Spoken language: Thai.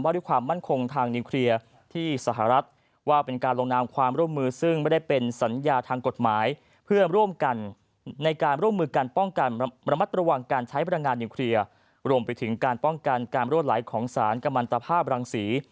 รวมไปถึงการป้องกันการมรั่วไหลของสารกับมันตภาพรังศรี